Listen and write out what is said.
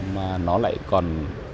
mà nó lại còn